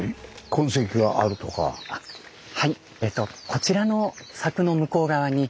こちらの柵の向こう側に。